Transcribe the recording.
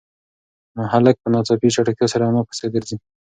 هلک په ناڅاپي چټکتیا سره په انا پسې گرځي.